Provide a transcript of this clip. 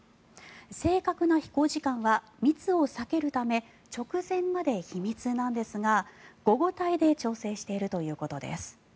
正確な飛行時間は密を避けるため直前まで秘密なんですが午後帯で調整しているということです。